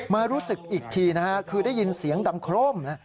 มารู้สึกอีกทีคือได้ยินเสียงดำครม